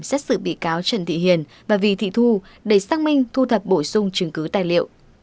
xét xử bị cáo trần thị hiền và vì thị thu để xác minh thu thập bổ sung chứng cứ tài liệu